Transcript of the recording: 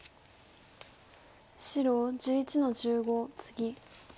白１１の十五ツギ。